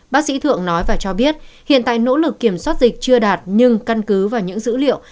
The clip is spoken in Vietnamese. bác sĩ thượng nói và cho biết hiện tại nỗ lực kiểm soát dịch chưa đạt nhưng căn cứ vào những dữ liệu